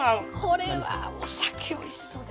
これはお酒おいしそうですね。